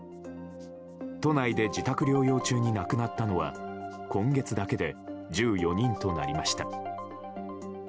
都内で自宅療養中に亡くなったのは今月だけで１４人となりました。